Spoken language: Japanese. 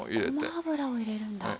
ごま油を入れるんだ。